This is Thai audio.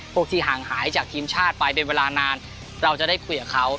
ที่ห่างหายจากทีมชาติไปเป็นเวลานานเราจะได้คุยกับเขา